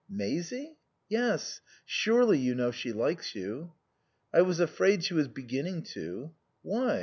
"Maisie?" "Yes. Surely you know she likes you?" "I was afraid she was beginning to " "Why?